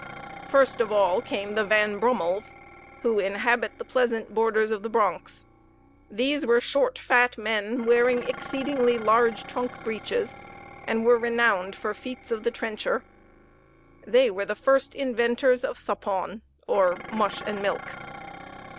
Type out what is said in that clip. First of all came the Van Brummels, who inhabit the pleasant borders of the Bronx: these were short fat men, wearing exceeding large trunk breeches, and were renowned for feats of the trencher; they were the first inventors of suppawn, or mush and milk.